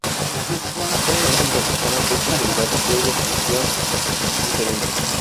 Otras fuentes proporcionan fechas y lugares de defunción diferentes.